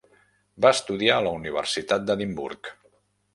Va estudiar a la Universitat d'Edimburg.